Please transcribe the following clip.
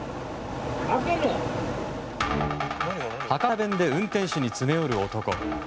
博多弁で運転手に詰め寄る男。